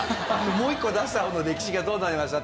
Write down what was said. もう一個出した方の歴史画どうなりました？